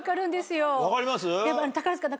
分かります？